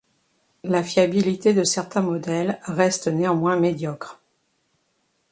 La fiabilité de certains modèles reste néanmoins médiocre.